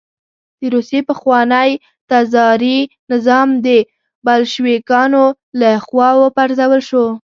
د روسیې پخوانی تزاري نظام د بلشویکانو له خوا وپرځول شو